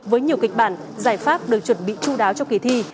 với nhiều kịch bản giải pháp được chuẩn bị chú đáo cho kỳ thi